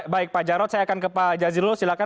baik pak jarod saya akan ke pak jazilul silahkan